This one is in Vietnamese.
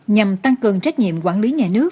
nhằm tăng cường trách nhiệm quản lý nhà nước